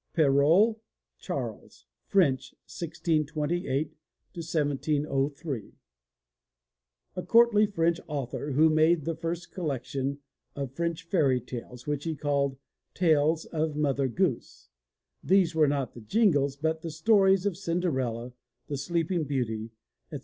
PERRAULT, CHARLES (French, 1628 1703) A courtly French author who made the first collection of French Fairy Tales which he called Tales o) Mother Goose. These were not the jingles, but the stories of Cinderella, The Sleeping Beauty, etc.